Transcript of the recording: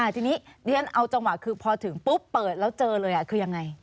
ทีนี้เรียนเอาจังหวะคือพอถึงปุ๊บเปิดแล้วเจอเลยคือยังไง